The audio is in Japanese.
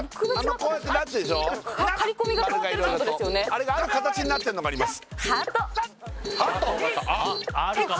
あれがある形になってんのがあります